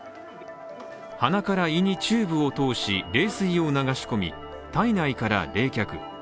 鼻から胃にチューブを通し冷水を流し込み、体内から冷却。